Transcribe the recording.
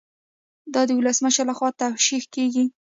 دا د ولسمشر لخوا توشیح کیږي.